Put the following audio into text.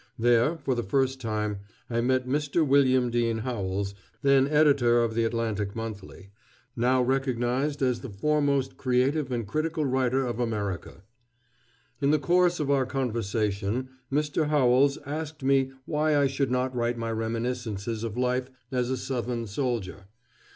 There, for the first time, I met Mr. William Dean Howells, then editor of the Atlantic Monthly, now recognized as the foremost creative and critical writer of America. In the course of our conversation, Mr. Howells asked me why I should not write my reminiscences of life as a Southern soldier.